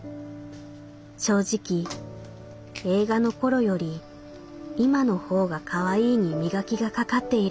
正直映画の頃より今のほうがかわいいに磨きがかかっている」。